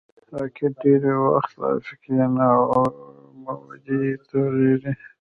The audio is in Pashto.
راکټ ډېری وخت افقي نه، عمودي توغېږي